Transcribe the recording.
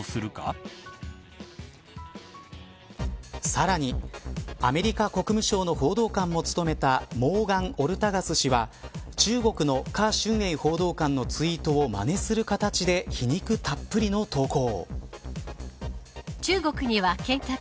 さらにアメリカ国務省の報道官も務めたモーガン・オルタガス氏は中国の華春瑩報道官はまねする形で皮肉たっぷりの投稿。